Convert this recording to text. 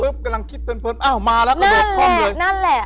แบบปุ๊บกำลังคิดเพิ่มอ้าวมาแล้วก็โดดค่อมเลยนั่นแหละนั่นแหละ